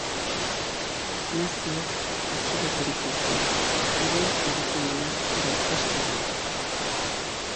Naziek atxiloturik hil zen, haien erregimena gaitzesteagatik.